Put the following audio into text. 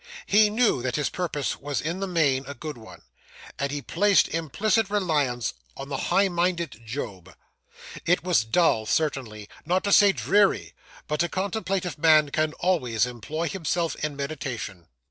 He knew that his purpose was in the main a good one, and he placed implicit reliance on the high minded Job. It was dull, certainly; not to say dreary; but a contemplative man can always employ himself in meditation. Mr.